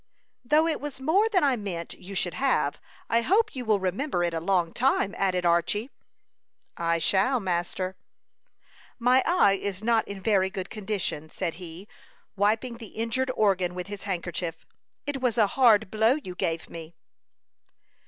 "Though it was more than I meant you should have, I hope you will remember it a long time," added Archy. "I shall, master." "My eye is not in very good condition," said he, wiping the injured organ with his handkerchief. "It was a hard blow you gave me."